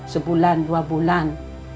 sebulan dua bulan